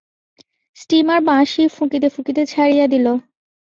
Steamer বাঁশি ফুঁকিতে ফুঁকিতে ছাড়িয়া দিল।